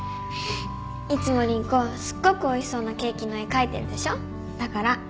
いつも凛子すっごくおいしそうなケーキの絵描いてるでしょ？だから